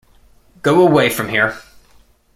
Go away from here.